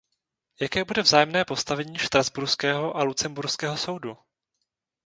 Jaké bude vzájemné postavení štrasburského a lucemburského soudu?